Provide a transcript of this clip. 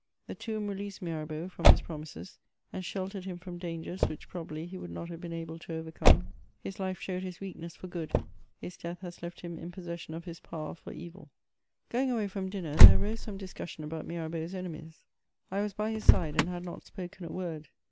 The tomb released Mirabeau horn. his promises, and sheltered him from daogers which probably he would not have been able to overcome : his life showed his weak* ness for good ; his death has left him in possession of his power for evil. Going away from dinner, there arose some discussion about Mirabeau^s enemies ; I was by his side, and had not spoken a word.